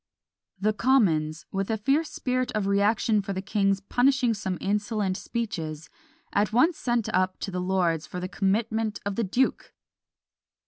The commons, with a fierce spirit of reaction for the king's "punishing some insolent speeches," at once sent up to the lords for the commitment of the duke!